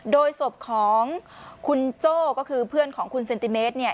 โดยศพของคุณโจ้ก็คือเพื่อนของคุณเซนติเมตรเนี่ย